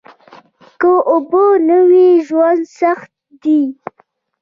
که اوبه نه وي ژوند سخت دي